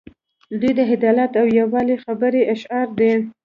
دوی د عدالت او یووالي خبرې شعار دي.